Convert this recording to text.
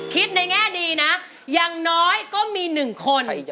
ในแง่ดีนะอย่างน้อยก็มี๑คน